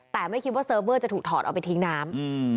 แต่ไม่คิดว่าเซิร์ฟเวอร์จะถูกถอดเอาไปทิ้งน้ำ